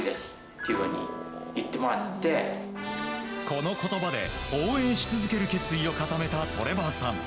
この言葉で応援し続ける決意を固めた、トレバーさん。